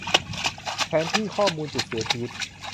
แผนที่ ข้อมูลจุดเสียชีวิต